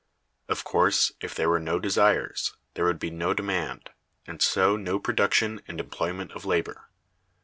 Of course, if there were no desires, there would be no demand, and so no production and employment of labor.